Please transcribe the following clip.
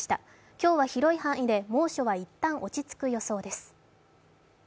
今日は広い範囲で猛暑は一旦落ち着く予想です。